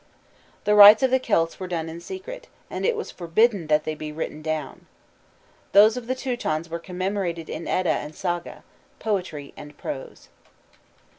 The rites of the Celts were done in secret, and it was forbidden that they be written down. Those of the Teutons were commemorated in Edda and Saga (poetry and prose).